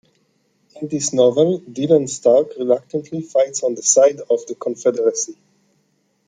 In this novel Dylan Stark reluctantly fights on the side of the Confederacy.